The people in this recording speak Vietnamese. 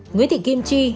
nguyễn thị kim chi